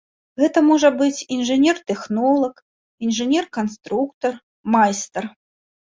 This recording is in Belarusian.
Гэта можа быць інжынер-тэхнолаг, інжынер-канструктар, майстар.